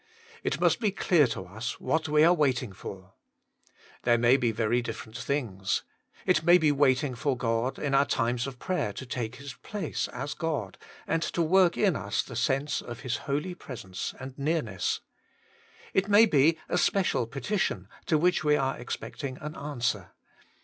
It must be clear to us what we are waiting for. There may be very different things. It may be waiting for God in our times of prayer to take his place as God, and to work in us the sense of His holy presence and nearness. It may be a special petition, to which we are expecting an answer.